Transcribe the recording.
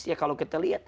ya kalau kita lihat